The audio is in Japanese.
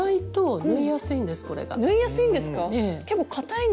縫いやすいんですか⁉ええ。